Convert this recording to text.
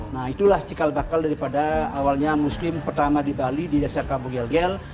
nah itulah cikal bakal daripada awalnya muslim pertama di bali di desa kabu gel gel